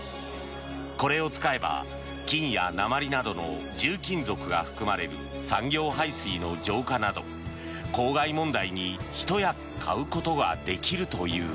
これを使えば金や鉛などの重金属が含まれる産業排水の浄化など、公害問題にひと役買うことができるという。